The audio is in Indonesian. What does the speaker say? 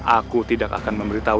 aku tidak akan memberitahu